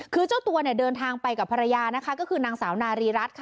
คือเจ้าตัวเนี่ยเดินทางไปกับภรรยานะคะก็คือนางสาวนารีรัฐค่ะ